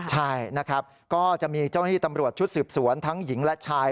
ใช่นะครับก็จะมีเจ้าหน้าที่ตำรวจชุดสืบสวนทั้งหญิงและชาย